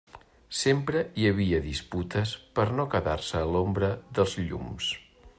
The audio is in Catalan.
Sempre hi havia disputes per no quedar-se a l'ombra dels llums.